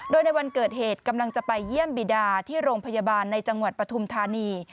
โดยในวันเกิดเหตุกำลังจะไปเยี่ยมบิดาที่โรงพยาบาลในจังหวัดปฐุมธานี